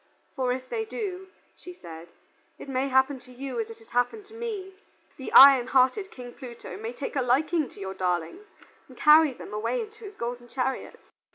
"For if they do," said she, "it may happen to you as it has happened to me: the iron hearted King Pluto may take a liking to your darlings and carry them away in his golden chariot."